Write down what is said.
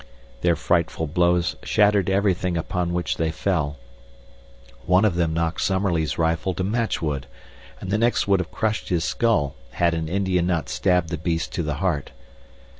Their frightful blows shattered everything upon which they fell. One of them knocked Summerlee's rifle to matchwood and the next would have crushed his skull had an Indian not stabbed the beast to the heart.